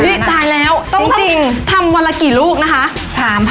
นี่ตายแล้วต้องทำวันละกี่ลูกนะคะ